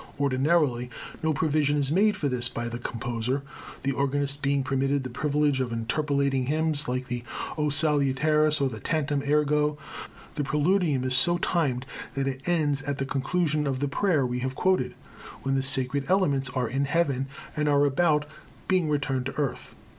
Ordinarily, no provision is made for this by the composer, the organist being permitted the privilege of interpolating hymns like the O Salutaris or the Tantum ergo. The Preludium is so timed that it ends at the conclusion of the prayer we have quoted, when the sacred elements are in heaven and are about being returned to earth.